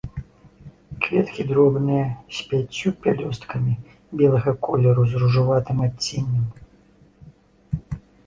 Кветкі дробныя, з пяццю пялёсткамі, белага колеру з ружаватым адценнем.